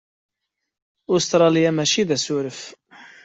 Ustṛalya mačči d asuref.